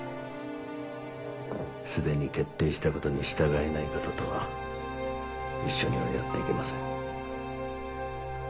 すでに決定した事に従えない方とは一緒にはやっていけません。